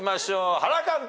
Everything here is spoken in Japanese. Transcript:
原監督。